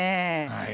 はい。